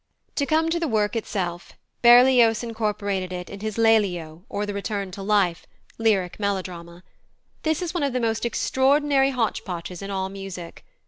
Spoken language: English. To come to the work itself, Berlioz incorporated it in his Lelio, or The Return to Life (lyric melodrama). This is one of the most extraordinary hotchpotches in all music.